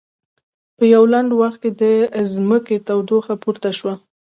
په یوه لنډ وخت کې د ځمکې تودوخه پورته شوه.